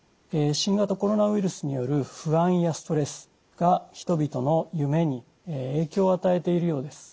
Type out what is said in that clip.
新型コロナウイルスによる不安やストレスが人々の夢に影響を与えているようです。